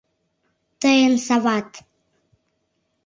Тыйын сават.